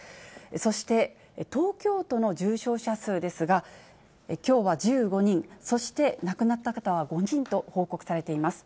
そして、東京都の重症者数ですが、きょうは１５人、そして亡くなった方は５人と報告されています。